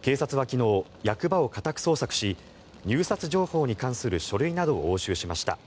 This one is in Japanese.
警察は昨日、役場を家宅捜索し入札情報に関する書類などを押収しました。